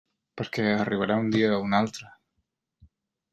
Perquè arribarà un dia o un altre.